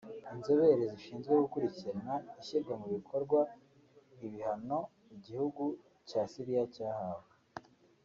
Inzobere zishinzwe gukurikirana ishyirwa mu bikorwa ibihano igihugu cya Syria cyahawe